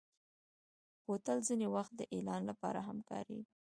بوتل ځینې وخت د اعلان لپاره هم کارېږي.